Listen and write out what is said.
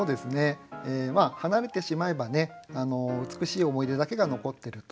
離れてしまえばね美しい思い出だけが残ってると。